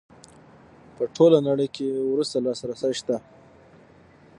په ټوله نړۍ کې ورته لاسرسی شته.